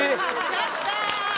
やった！